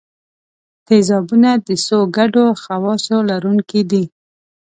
تیزابونه د څو ګډو خواصو لرونکي دي.